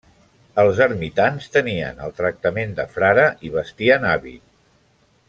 Els ermitans tenien el tractament de frare i vestien hàbit.